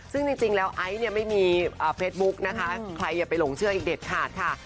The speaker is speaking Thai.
ซึ่งจริงแล้วไอซ์เนี่ยไม่มีเฟซบุ๊กนะคะใครอย่าไปหลงเชื่ออีกเด็ดขาดค่ะ